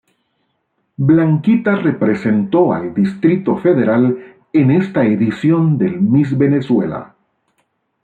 Blanquita representó al Distrito Federal en esta edición del Miss Venezuela.